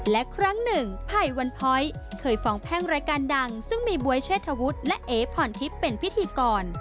และครั้งหนึ่งไผ่วันพ้อยเคยฟ้องแพ่งรายการดังซึ่งมีบ๊วยเชษฐวุฒิและเอพรทิพย์เป็นพิธีกร